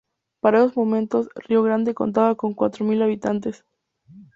Para esos momentos, Río Grande contaba con cuatro mil habitantes.